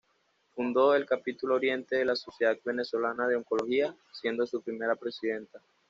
Fundó el Capítulo Oriente de la Sociedad Venezolana de Oncología, siendo su primera presidenta.